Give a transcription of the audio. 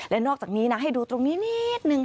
และนอกจากนี้นะให้ดูตรงนี้นิดนึงค่ะ